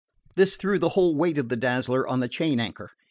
This threw the whole weight of the Dazzler on the chain anchor.